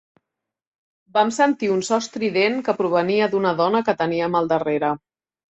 Vam sentir un so estrident que provenia d'una dona que teníem al darrere.